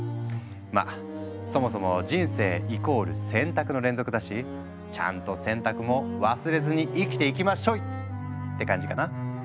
まあそもそも人生イコール選択の連続だしちゃんと選択も忘れずに生きていきまっしょい！って感じかな。